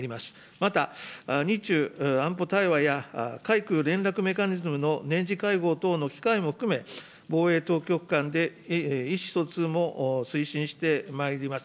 また、日中安保対話や、海空連絡メカニズムの年次会合等の機会も含め、防衛当局間で意思疎通も推進してまいります。